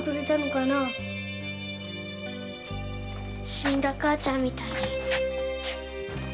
死んだ母ちゃんみたいに。